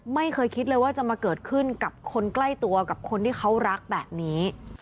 ไม่เคยคิดเลยว่าจะมาเกิดขึ้นกับคนใกล้ตัวกับคนที่เขารักแบบนี้